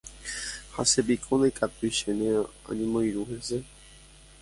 Ha chépiko ndaikatúi chéne añemoirũ hese.